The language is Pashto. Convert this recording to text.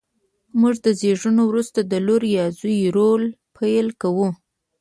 موږ له زېږېدو وروسته د لور یا زوی رول پیل کوو.